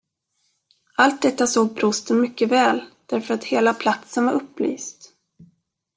Allt detta såg prosten mycket väl, därför att hela platsen var upplyst.